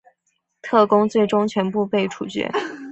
特工最终全部被处决。